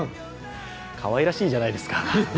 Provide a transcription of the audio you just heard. かわいらしいじゃないですか。